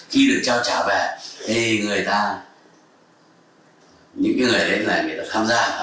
khi được trao trả về người ta tham gia vào cuộc kháng chiến mở đầu gọi là giòn rãi nhất chính là algeria